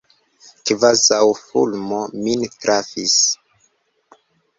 Kvazaŭ fulmo min trafis.